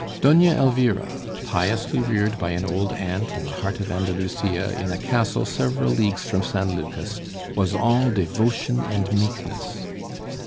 Doña Elvira, piously reared by an old aunt in the heart of Andalusia in a castle several leagues from San Lucas, was all devotion and meekness.